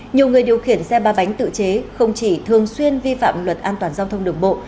nhiều người điều khiển xe ba bánh tự chế không chỉ thường xuyên vi phạm luật an toàn giao thông đường bộ